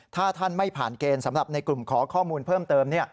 ถ้าท่านไม่ผ่านเกณฑ์สำหรับในกลุ่มขอข้อมูลเพิ่มเติม